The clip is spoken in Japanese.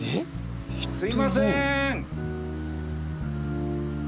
すいません！